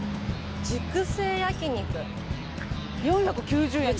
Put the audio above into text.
「熟成焼肉」「４９０円」